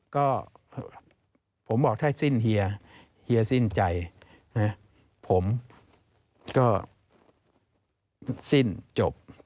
ก็ผมบอกถ้าสิ้นเฮียเฮียสิ้นใจนะผมก็สิ้นจบ